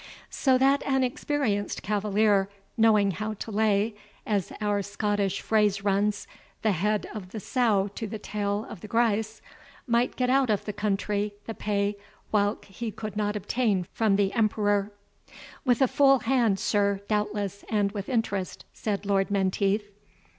So that an experienced cavalier, knowing how to lay, as our Scottish phrase runs, 'the head of the sow to the tail of the grice,' might get out of the country the pay whilk he could not obtain from the Emperor." "With a full hand, sir, doubtless, and with interest," said Lord Menteith.